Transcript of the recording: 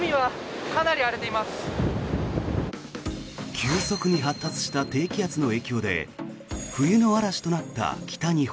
急速に発達した低気圧の影響で冬の嵐となった北日本。